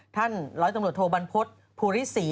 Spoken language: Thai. ท่านร้อยตำรวจโทบรรพฤษภูริศรี